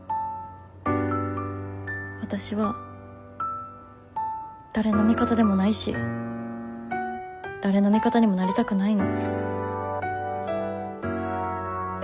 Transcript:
わたしは誰の味方でもないし誰の味方にもなりたくないの。